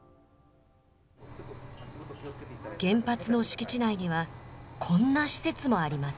原発の敷地内には、こんな施設もあります。